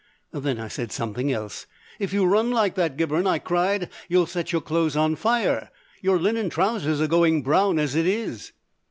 Then I said something else. "If you run like that, Gibberne," I cried, "you'll set your clothes on fire. Your linen trousers are going brown as it is!"